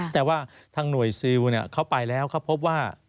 แต่ว่าทางหน่วยซิลเขาไปแล้วเขาพบว่า